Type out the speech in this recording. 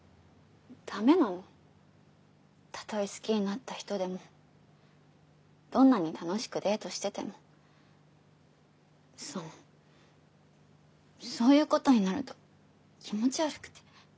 ダメなのたとえ好きになった人でもどんなに楽しくデートしててもそのそういうことになると気持ち悪くて